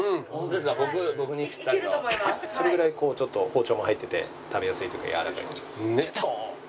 それぐらいこうちょっと包丁も入ってて食べやすいというかやわらかい？